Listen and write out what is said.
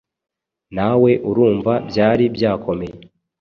nawe urumva byari byakomeye